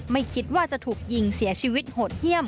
ไม่คิดว่าจะถูกยิงเสียชีวิตโหดเยี่ยม